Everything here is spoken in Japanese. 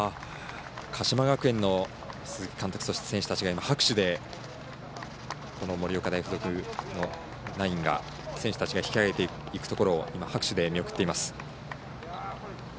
鹿島学園の鈴木監督とそして選手たちが拍手で盛岡大付属のナインが選手たちが引き揚げていくところ拍手で見送っています。